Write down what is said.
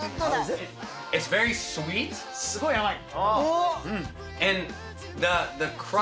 すごい甘い。